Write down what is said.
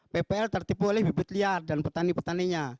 ppl tertipu oleh bibit liar dan petani petaninya